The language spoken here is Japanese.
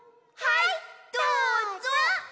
はいどうぞ。